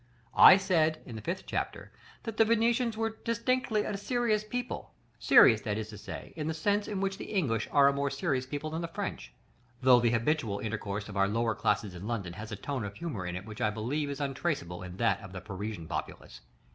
I said, in the fifth chapter, that the Venetians were distinctively a serious people, serious, that is to say, in the sense in which the English are a more serious people than the French; though the habitual intercourse of our lower classes in London has a tone of humor in it which I believe is untraceable in that of the Parisian populace.